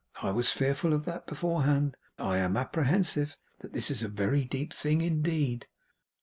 I was fearful of that beforehand. I am apprehensive that this is a very deep thing indeed!